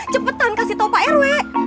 cepetan kasih tau pak rw